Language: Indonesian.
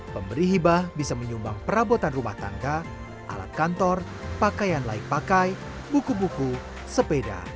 pemberi hibah bisa menyumbang perabotan rumah tangga alat kantor pakaian laik pakai buku buku sepeda